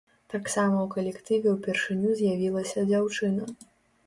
Таксама ў калектыве ўпершыню з'явілася дзяўчына.